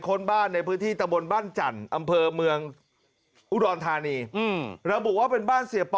ค้นบ้านในพื้นที่ตะบนบ้านจันทร์อำเภอเมืองอุดรธานีระบุว่าเป็นบ้านเสียปอ